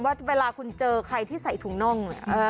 ว่าเวลาคุณเจอใครที่ใส่ถุงน่อง